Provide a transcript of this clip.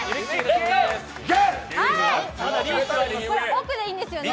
奥でいいんですよね。